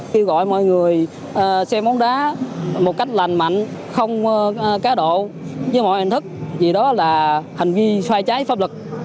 kêu gọi mọi người xem bóng đá một cách lành mạnh không cá độ với mọi hình thức vì đó là hành vi xoay trái pháp lực